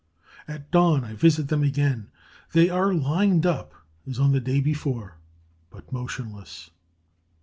At dawn I visit them again. They are lined up as on the day before, but motionless.